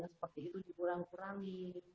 seperti itu dikurang kurangi